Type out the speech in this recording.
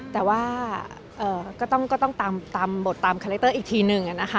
แต่ว่าก็ต้องตามบทตามคาแรคเตอร์อีกทีหนึ่งนะคะ